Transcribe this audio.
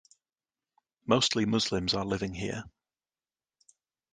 Mostly Muslims are living here.